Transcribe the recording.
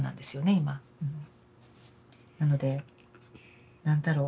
なので何だろう